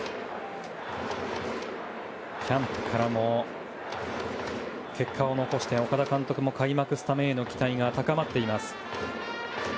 キャンプからも結果を残して岡田監督も開幕スタメンへの期待が高まっています。